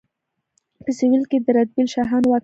په سویل کې د رتبیل شاهانو واکمني وه.